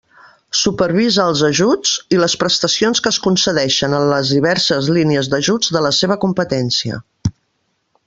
Supervisa els ajuts i les prestacions que es concedeixen en les diverses línies d'ajuts de la seva competència.